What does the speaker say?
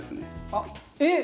あっえっ！